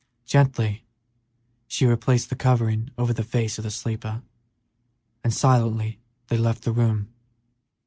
Gently she replaced the covering over the face of the sleeper, and silently they left the room.